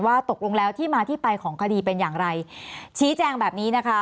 ตกลงแล้วที่มาที่ไปของคดีเป็นอย่างไรชี้แจงแบบนี้นะคะ